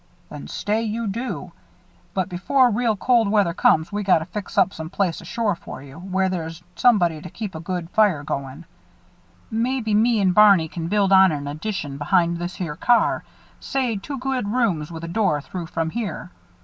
"Then stay you do. But before real cold weather comes we gotta fix up some place ashore for you, where there's somebody to keep a good fire goin'. Maybe me and Barney can build on an addition behind this here car say two good rooms with a door through from here.